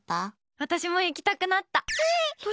私も行きたくなった。